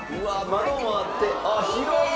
窓もあって広いなあ！